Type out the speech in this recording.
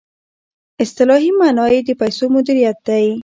اصطلاحي معنی یې د پیسو مدیریت دی.